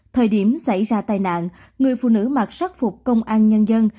thời điểm xảy ra tai nạn người phụ nữ mặc sắc phục công an nhân dân